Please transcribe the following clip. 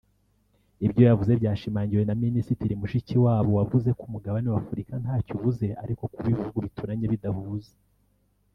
Ibyo yavuze byashimangiwe na Minisitiri Mushikiwabo wavuze ko umugabane w’Afurika ntacyo ubuze ariko kuba ibihugu bituranye bidahuza